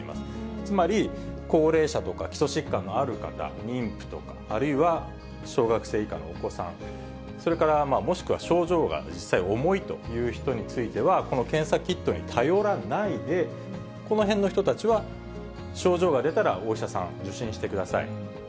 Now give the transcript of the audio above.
つまり、高齢者とか基礎疾患のある方、妊婦とか、あるいは小学生以下のお子さん、それから、もしくは症状が実際重いという人については、この検査キットに頼らないで、このへんの人たちは、症状が出たら、お医者さん受診してください。